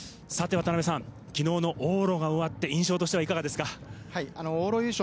さて渡辺さん、昨日の往路が終わった印象としてはいかがですか？